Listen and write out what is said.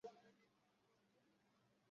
Qashqadaryoda er xotinini do‘pposlab o‘ldirdi